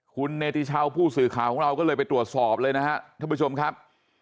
คุณเนติชาวผู้สื่อข่าวของเราก็เลยไปตรวจสอบเลยนะครับท่านผู้ชมครับ